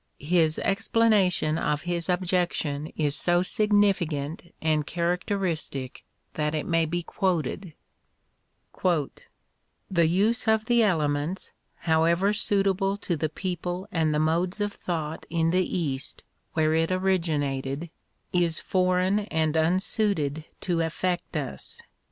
His explanation of his " objection is so significant and characteristic that it may be quoted : The use of the elements, however suitable to the people and the modes of thought in the East, where it originated, is foreign and unsuited to affect us.